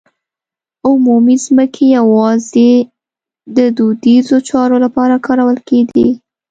عمومي ځمکې یوازې د دودیزو چارو لپاره کارول کېدې.